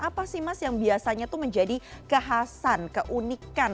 apa sih mas yang biasanya itu menjadi kekhasan keunikan